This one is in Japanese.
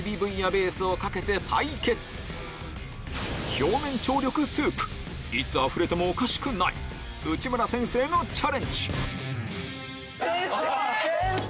表面張力スープいつあふれてもおかしくない内村先生のチャレンジ先生！